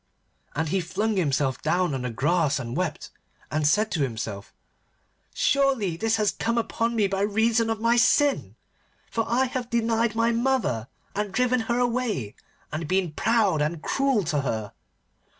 And he flung himself down on the grass and wept, and said to himself, 'Surely this has come upon me by reason of my sin. For I have denied my mother, and driven her away, and been proud, and cruel to her.